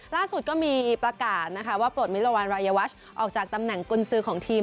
ล่าสุดก็มีประกาศนะคะว่าปลดมิรวรรณรายวัชออกจากตำแหน่งกุญสือของทีม